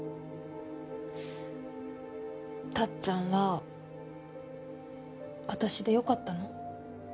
タッちゃんは私でよかったの？